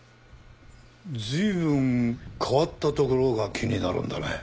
随分変わったところが気になるんだね。